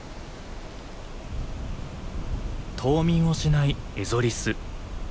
冬眠をしないエゾリス。